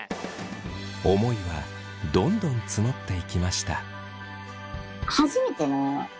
思いはどんどん募っていきました。